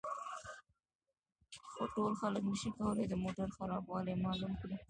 خو ټول خلک نشي کولای د موټر خرابوالی معلوم کړي